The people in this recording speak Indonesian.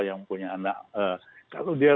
yang punya anak lalu dia